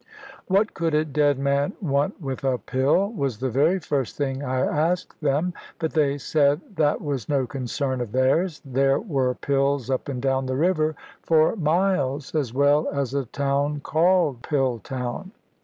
What could a dead man want with a pill, was the very first thing I asked them; but they said that was no concern of theirs; there were pills up and down the river for miles, as well as a town called Pill town.